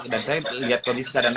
dan saya lihat kondisi keadaan